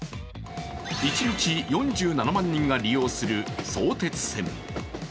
一日４７万人が利用する相鉄線。